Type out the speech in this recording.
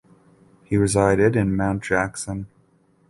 He resided in Mount Jackson.